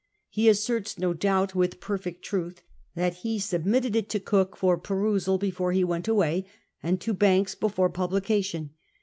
He asserts, no doubt with perfect truth, that ho submitted it to Cook for perusal before he went away, and to Banks before publication.